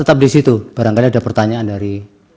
tetap di situ barangkali ada pertanyaan dari